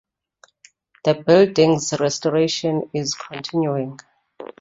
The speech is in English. The building's restoration is continuing.